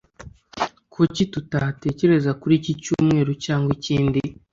Kuki tutatekereza kuri iki cyumweru cyangwa ikindi?